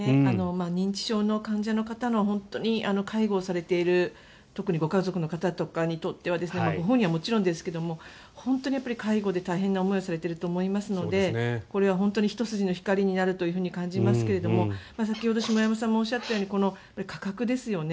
認知症の患者の方の本当に介護をされている特にご家族の方にとってはご本人はもちろんですが本当に介護で大変な思いをされていると思うのでこれは本当にひと筋の光になると感じますけども先ほど下山さんもおっしゃったように価格ですよね。